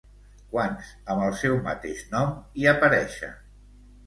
Quants amb el seu mateix nom hi apareixen?